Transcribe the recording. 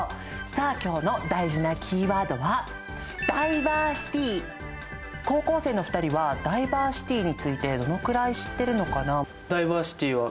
さあ今日の大事なキーワードは高校生の２人はダイバーシティについてどのくらい知ってるのかな？